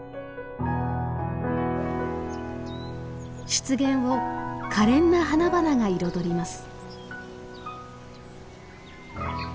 湿原を可憐な花々が彩ります。